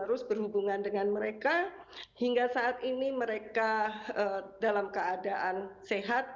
terus berhubungan dengan mereka hingga saat ini mereka dalam keadaan sehat